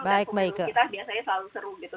dan pemilu kita biasanya selalu seru gitu